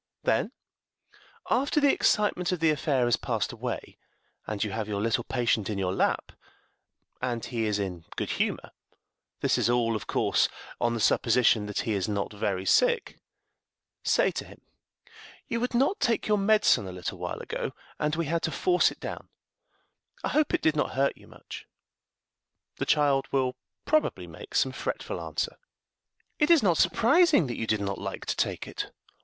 Then, after the excitement of the affair has passed away, and you have your little patient in your lap, and he is in good humor this is all, of course, on the supposition that he is not very sick say to him, "You would not take your medicine a little while ago, and we had to force it down: I hope it did not hurt you much." The child will probably make some fretful answer. [Illustration: STORY OF THE HORSE.] "It is not surprising that you did not like to take it.